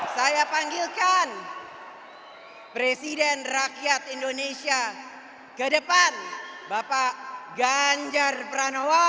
saya panggilkan presiden rakyat indonesia kedepan bapak ganjar pranowo